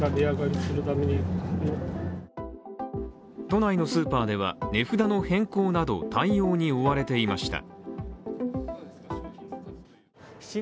都内のスーパーでは、値札の変更など対応に追われていました。